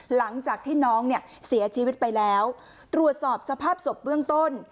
หลังจากที่น้องเนี่ยเสียชีวิตไปแล้วตรวจสอบสภาพศพเบื้องต้น